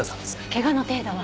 怪我の程度は？